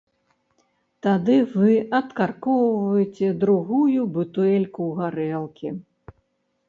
Тады вы адкаркоўваеце другую бутэльку гарэлкі.